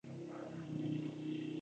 ادم خان او درخو له د بل سره مينه کوله